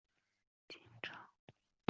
金帐汗拔都对此似乎没有作出反应。